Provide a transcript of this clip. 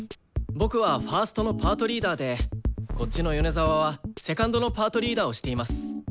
僕はファーストのパートリーダーでこっちの米沢はセカンドのパートリーダーをしています。